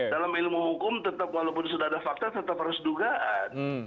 dalam ilmu hukum tetap walaupun sudah ada fakta tetap harus dugaan